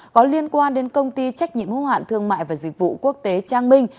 có liên quan đến công ty trách nhiệm hô hạn thương mại và dịch vụ quốc tế trang minh